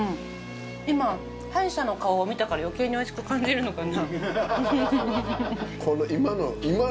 今敗者の顔を見たから余計においしく感じるのかな？